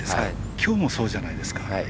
きょうもそうじゃないですか。